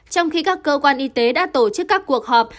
trong khi các cơ quan y tế đã tổ chức các cuộc họp